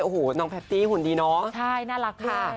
โอ้โหน้องแพตตี้หุ่นดีเนอะใช่น่ารักด้วย